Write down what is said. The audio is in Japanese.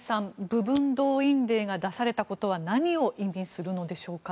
部分動員令が出されたことは何を意味するのでしょうか。